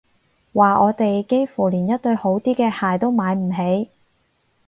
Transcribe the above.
話我哋幾乎連一對好啲嘅鞋都買唔起